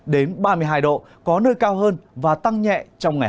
đến ba mươi hai độ có nơi cao hơn và tăng nhẹ trong ngày hai mươi